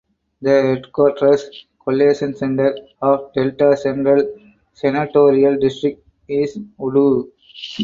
The headquarters (collation centre) of Delta Central Senatorial District is Udu.